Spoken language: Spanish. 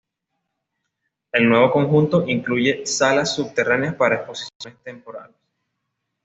El nuevo conjunto incluye salas subterráneas para exposiciones temporales.